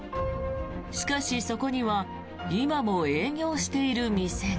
しかし、そこには今も営業している店が。